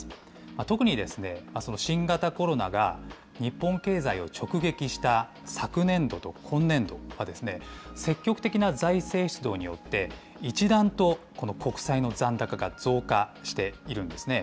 特にですね、新型コロナが日本経済を直撃した昨年度と今年度は、積極的な財政出動によって、一段とこの国債の残高が増加しているんですね。